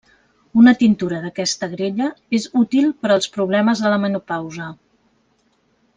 Una tintura d'aquesta agrella és útil per als problemes de la menopausa.